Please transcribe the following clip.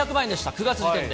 ９月時点で。